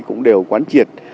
cũng đều quán triệt